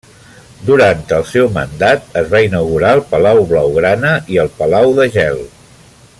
Durant el seu mandat es va inaugurar el Palau Blaugrana i el Palau de Gel.